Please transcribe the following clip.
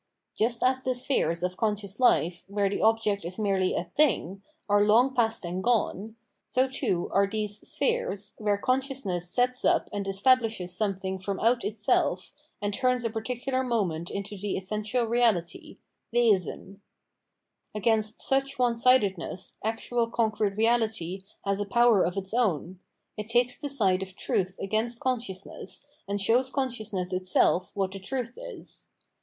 Just as the spheres [of conscious life] where the object is merely a "thing" are long past and gone, so, too, are these spheres, where consciousness sets up and establishes something from out itself, and turns a particular moment into the essential reality (Wesen). Against such one sidedness actual concrete reahty has a power of its own ; it takes the side of truth against consciousness and shows consciousness itself what the truth is.